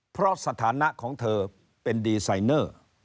เพราะสถานะของเธอเป็นดีไซเนอร์